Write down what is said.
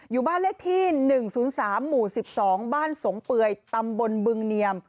อยู่บ้านเลขที่๑๐๓หมู่๑๒บ้านสงเปื่อยตำบลบึงเนียม